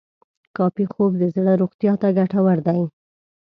کافي خوب د زړه روغتیا ته ګټور دی.